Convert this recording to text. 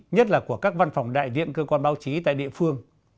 nhất là của các văn phòng đại viện cơ quan báo chí tại địa phương